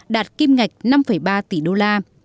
đạt kim ngạch năm ba tỷ đô la